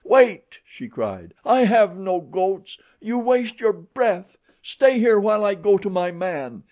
"Wait!" she cried. "I have no goats. You waste your breath. Stay here while I go to my man.